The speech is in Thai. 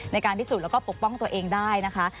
ในการพิสูจน์แล้วก็ปกป้องตัวเองได้นะคะ